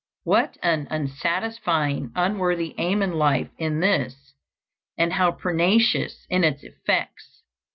what an unsatisfying, unworthy aim in life is this, and how pernicious in its effects!